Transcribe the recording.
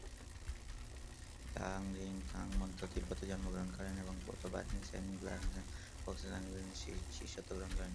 গ্লাং-রি-থাং-পা মধ্য তিব্বতে জন্মগ্রহণ করেন এবং পো-তো-বা-রিন-ছেন-গ্সাল-ফ্যোগ্স-লাস-র্নাম-র্গ্যালের শিষ্যত্ব গ্রহণ করেন।